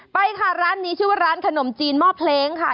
ไปค่ะร้านนี้ชื่อว่าร้านขนมจีนหม้อเพลงค่ะ